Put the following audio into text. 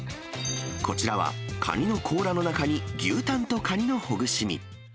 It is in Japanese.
こちらは、カニの甲羅の中に牛タンとかにのほぐし身。